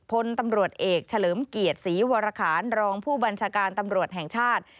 พลตำรวจเอกเฉลิมเกียรติศรีวรคารรองผู้บัญชาการตำรวจแห่งชาติ